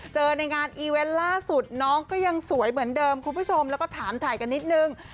ในงานอีเวนต์ล่าสุดน้องก็ยังสวยเหมือนเดิมคุณผู้ชมแล้วก็ถามถ่ายกันนิดนึง